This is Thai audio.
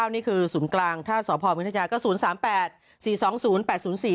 นี่คือศูนย์กลางถ้าสพมพัทยาที่ศูนย์ก็๐๓๘๔๒๐๘๐๔